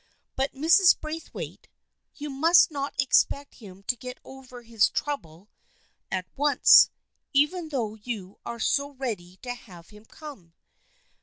But, Mrs. Braithwaite, you must not expect him to get over his trouble at once, even though you are so ready to have him come.